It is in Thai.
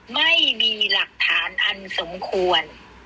ไม่มีหลักฐานอันสมควร